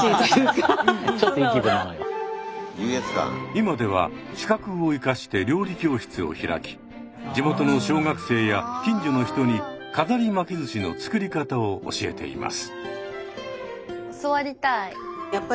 今では資格を生かして料理教室を開き地元の小学生や近所の人に飾り巻き寿司の作り方を教えています。